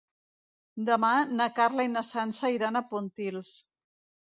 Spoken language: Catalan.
Demà na Carla i na Sança iran a Pontils.